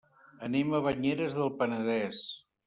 Anem a Banyeres del Penedès.